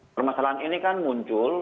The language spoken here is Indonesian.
permasalahan ini kan muncul